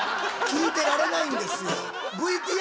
聞いてられないんですよ。